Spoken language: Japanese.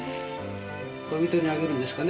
恋人にあげるんですかね。